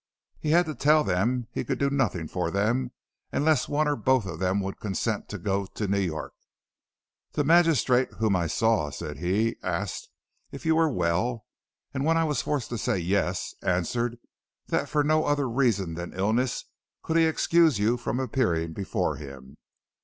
He had to tell them he could do nothing for them unless one or both of them would consent to go to New York. "The magistrate whom I saw," said he, "asked if you were well, and when I was forced to say yes, answered that for no other reason than illness could he excuse you from appearing before him.